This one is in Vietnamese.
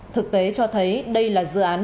thực tế cho thấy đây là dự án